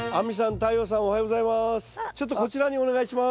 太陽さんおはようございます。